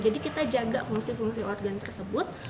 jadi kita jaga fungsi fungsi organ tersebut